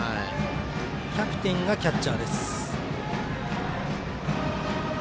キャプテンがキャッチャーです。